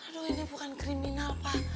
aduh ini bukan kriminal pak